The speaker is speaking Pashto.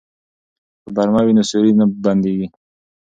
که برمه وي نو سوري نه بنديږي.